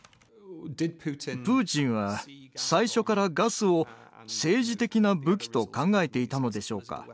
プーチンは最初からガスを政治的な武器と考えていたのでしょうか？